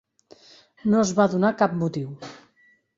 No es va donar cap motiu.